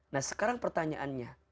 nah sekarang pertanyaannya